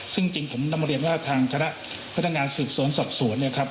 ซึ่งจริงผมนำเรียนว่าทางคณะพนักงานสืบสวนสอบสวนเนี่ยครับ